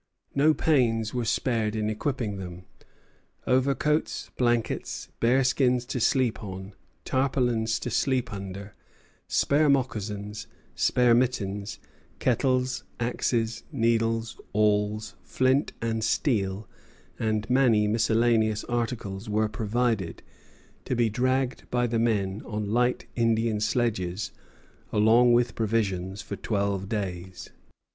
No pains were spared in equipping them. Overcoats, blankets, bearskins to sleep on, tarpaulins to sleep under, spare moccasons, spare mittens, kettles, axes, needles, awls, flint and steel, and many miscellaneous articles were provided, to be dragged by the men on light Indian sledges, along with provisions for twelve days.